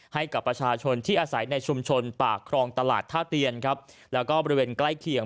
ให้กับประชาชนที่อาศัยในชุมชนปากครองตลาดท่าเตียนครับแล้วก็บริเวณใกล้เคียง